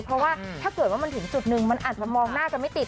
เพราะว่าถ้าเกิดว่ามันถึงจุดนึงมันอาจจะมองหน้ากันไม่ติด